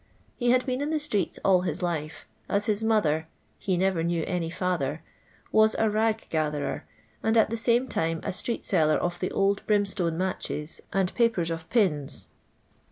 He had been in the streets all his life, as his mother he never knew any father — was a rag gatherer, and at the same time a street seller of the old brim!<tniic matches and papers of pins.